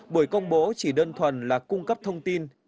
buổi công bố chỉ đơn thuần là cung cấp thông tin